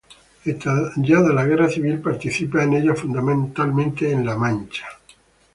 Estallada la Guerra Civil, participa en ella fundamentalmente en La Mancha.